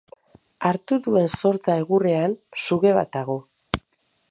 Hartu duen sorta egurrean suge bat dago.